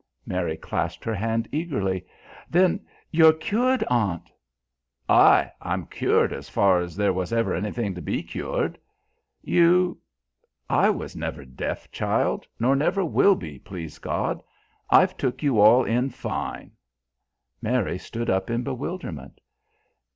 Mary clasped her hand eagerly. "Then you're cured, Aunt " "Ay. I'm cured as far as there was ever anything to be cured." "You ?" "I was never deaf, child, nor never will be, please God. I've took you all in fine." Mary stood up in bewilderment.